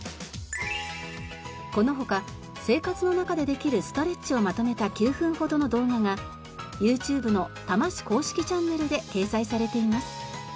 この他生活の中でできるストレッチをまとめた９分ほどの動画がＹｏｕＴｕｂｅの多摩市公式チャンネルで掲載されています。